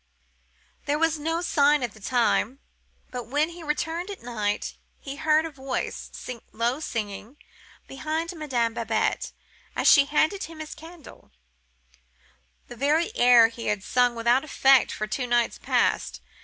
There was no sign at the time. But when he returned at night, he heard a voice, low singing, behind Madame Babette, as she handed him his candle, the very air he had sung without effect for two nights past.